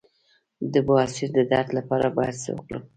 د بواسیر د درد لپاره باید څه وکړم؟